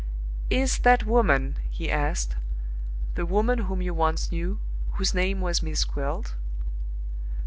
"Is that woman," he asked, "the woman whom you once knew, whose name was Miss Gwilt?"